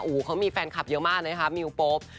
โอ้โหเขามีแฟนคลับเยอะมากนะคะมิวโป๊ป